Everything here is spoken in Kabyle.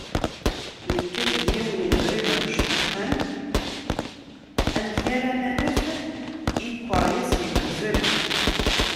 Nekka-d d yiwen webrid mecṭuḥen amek ara nanef i ikeṛyas yeggten.